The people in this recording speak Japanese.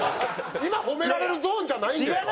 今褒められるゾーンじゃないんですか？